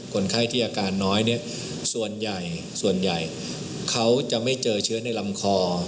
คนไข้ที่อาการน้อยเนี่ยส่วนใหญ่ส่วนใหญ่เขาจะไม่เจอเชื้อในลำคอ